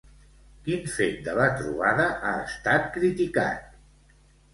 Quin fet de la trobada ha estat criticat?